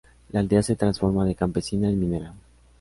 La aldea se transforma de campesina en minera.